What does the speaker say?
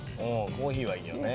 コーヒーはいいよね。